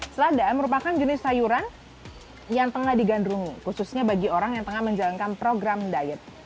selada merupakan jenis sayuran yang tengah digandrungi khususnya bagi orang yang tengah menjalankan program diet